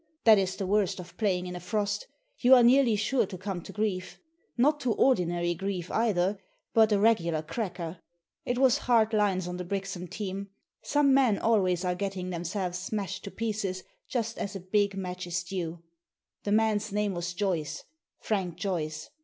That is the worst of playing in a frost; you are nearly sure to come to grief. Not to ordinary grief, either, but a regular cracker. It was hard lines on the Brixham team. Some men always are getting themselves smashed to pieces just as a big match is due! The man's name was Joyce, Frank Joyce.